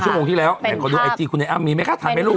๑ชั่วโมงที่แล้วไหนคนดูไอจีคุณไน่อ้ำมีไหมคะถ่ายไหมลูก